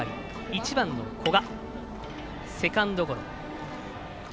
１番の古賀セカンドゴロ。